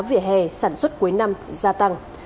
vỉa hè sản xuất cuối năm gia tăng